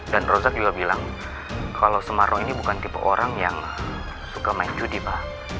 dan rozak juga bilang kalau sumarno ini bukan tipe orang yang suka main judi pak